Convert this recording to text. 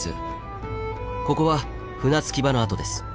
ここは船着き場の跡です。